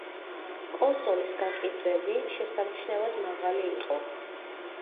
კონსოლის გაყიდვები შესამჩნევად მაღალი იყო.